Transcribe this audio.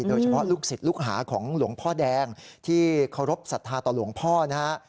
ลูกศิษย์ลูกหาของหลวงพ่อแดงที่เคารพสัทธาต่อหลวงพ่อนะฮะ